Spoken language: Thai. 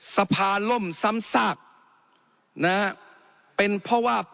สภาล่มซ้ำซากนะฮะเป็นเพราะว่า